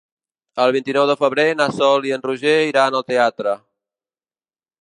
El vint-i-nou de febrer na Sol i en Roger iran al teatre.